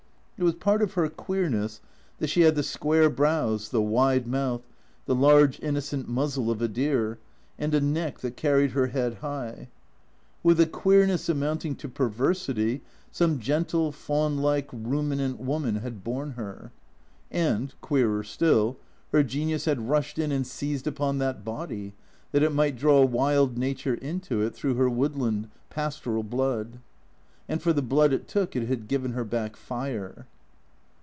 It was part of her queerness that she had the square brows, the wide mouth, the large, innocent muzzle of a deer, and a neck that carried her head high. With a queerness amounting to perversity some gentle, fawn like, ruminant 6 85 86 THECKEATOES woman had borne her. And, queerer still, her genius had rushed in and seized upon that body, that it might draw wild nature into it through her woodland, pastoral blood. And for the blood it took it had given her back fire.